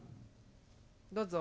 どうぞ。